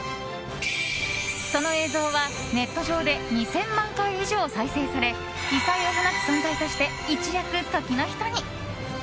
その映像はネット上で２０００万回以上再生され異彩を放つ存在として一躍、時の人に。